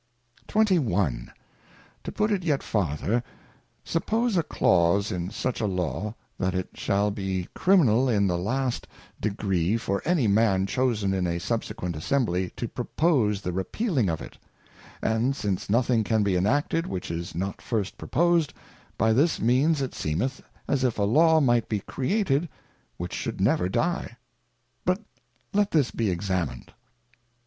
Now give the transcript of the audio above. XXI. To put it yet fai'ther, Suppose a Clause in such a Law, that it shall be criminal in the last degree for any Man chosen in a subsequent Assembly, to propose the repealing of it ; and since nothing can be Enacted which is not first proposed, by this means it seemeth as if a Law might be Created which should never die. But let this be Examined.